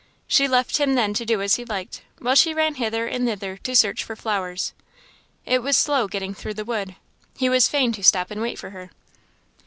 She left him then to do as he liked, while she ran hither and thither to search for flowers. It was slow getting through the wood. He was fain to stop and wait for her.